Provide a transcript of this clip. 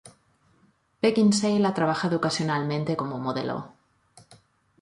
Beckinsale ha trabajado ocasionalmente como modelo.